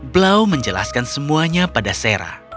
blau menjelaskan semuanya pada sera